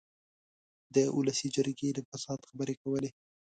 د اولسي جرګې د فساد خبرې کولې.